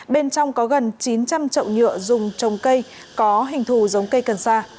bên trong có gần chín trăm linh trậu nhựa dùng trồng cây có hình thù giống cây cần sa